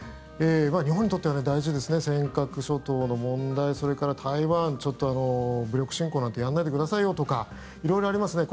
日本にとっては大事ですね尖閣諸島の問題、それから台湾ちょっと武力侵攻なんてやらないでくださいよとか色々ありますね。